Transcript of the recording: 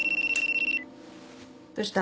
どうした？